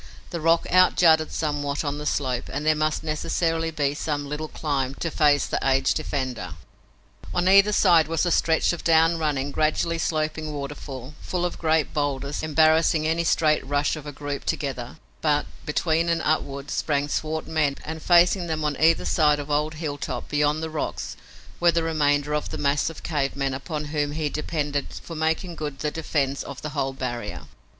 The rock out jutted somewhat on the slope and there must necessarily be some little climb to face the aged defender. On either side was a stretch of down running, gradually sloping waterfall, full of great boulders, embarrassing any straight rush of a group together, but, between and upward, sprang swart men, and facing them on either side of old Hilltop beyond the rocks were the remainder of the mass of cave men upon whom he depended for making good the defense of the whole barrier.